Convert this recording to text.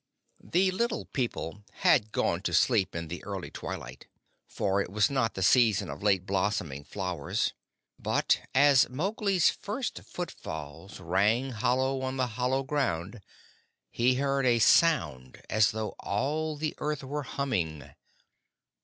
The Little People had gone to sleep in the early twilight, for it was not the season of late blossoming flowers; but as Mowgli's first footfalls rang hollow on the hollow ground he heard a sound as though all the earth were humming.